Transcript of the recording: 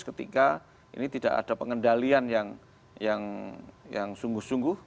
menjadi ancaman serius ketika ini tidak ada pengendalian yang sungguh sungguh